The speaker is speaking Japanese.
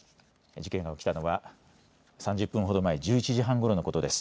事件が起きたのは３０分ほど前、１１時半ごろのことです。